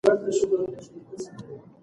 د وزارت موخه د تولید زیاتوالی دی.